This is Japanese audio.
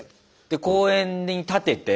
で公園に立てて。